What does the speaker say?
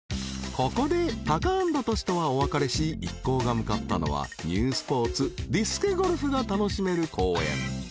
［ここでタカアンドトシとはお別れし一行が向かったのはニュースポーツディスクゴルフが楽しめる公園］